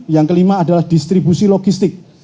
yang kelima adalah distribusi logistik